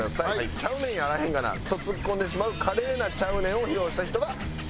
「ちゃうねんやあらへんがな」とツッコんでしまう華麗な「ちゃうねん」を披露した人が勝利ですと。